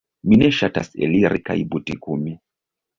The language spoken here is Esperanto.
Mi ne ŝatas eliri kaj butikumi